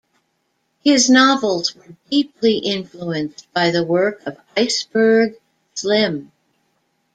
His novels were deeply influenced by the work of Iceberg Slim.